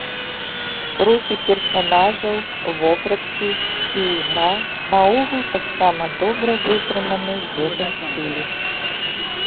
Рухі персанажаў, вопраткі і ігра наогул таксама добра вытрыманы ў гэтым стылі.